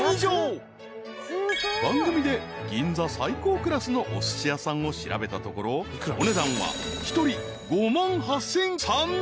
［番組で銀座最高クラスのおすし屋さんを調べたところお値段は］